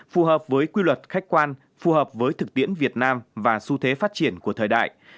phù hợp với quy luật khách quan phù hợp với thực tiễn việt nam và xu thế phát triển của thời đại